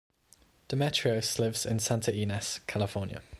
Demetrios lives in Santa Ynez, California.